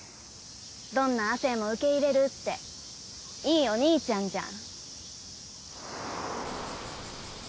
どんな亜生も受け入れるっていいお兄ちゃんじゃん。